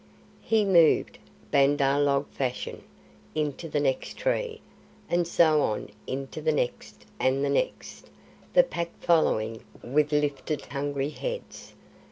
He moved, Bandar log fashion, into the next tree, and so on into the next and the next, the Pack following with lifted hungry heads.